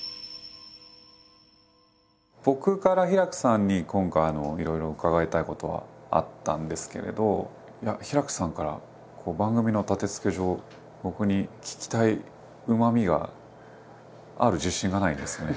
僕からヒラクさんに今回いろいろ伺いたいことはあったんですけれどヒラクさんから番組の立てつけ上僕に聞きたいうまみがある自信がないんですよね。